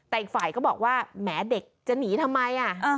แต่อีกฝ่ายก็บอกว่าแหมเด็กจะหนีทำไม